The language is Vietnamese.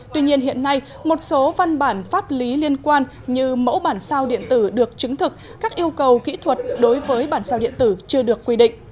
tuy nhiên hiện nay một số văn bản pháp lý liên quan như mẫu bản sao điện tử được chứng thực các yêu cầu kỹ thuật đối với bản sao điện tử chưa được quy định